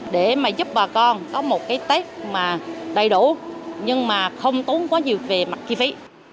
để giúp bà con có một tết đầy đủ nhưng không tốn quá nhiều về mặt kí phí